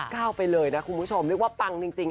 ก้าวไปเลยนะคุณผู้ชมเรียกว่าปังจริง